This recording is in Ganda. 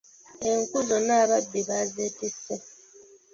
Enku zonna ababbi baazeetisse.